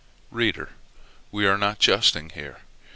Reader, we are not jesting here.